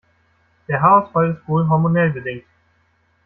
Der Haarausfall ist wohl hormonell bedingt.